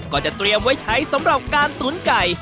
ก็จะเตรียมไว้ใช้สำหรับการตุ๋นไก่